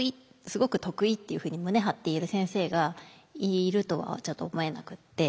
すごく得意っていうふうに胸張って言える先生がいるとはちょっと思えなくって。